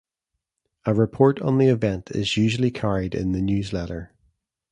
A report on the event is usually carried in the Newsletter.